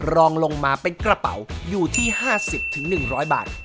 รองลงมาเป็นกระเป๋าอยู่ที่๕๐๑๐๐บาท